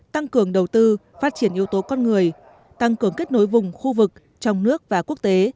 tăng cường đầu tư phát triển yếu tố con người tăng cường kết nối vùng khu vực trong nước và quốc tế